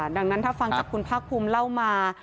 ดังนั้นถ้าฟังจากคุณภาคภูมิเล่ามา